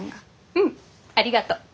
うんありがと。